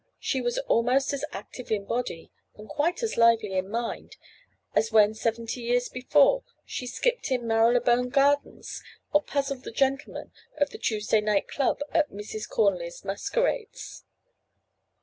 She was almost as active in body, and quite as lively in mind, as when seventy years before she skipped in Marylebone Gardens, or puzzled the gentlemen of the Tuesday Night Club at Mrs. Cornely's masquerades.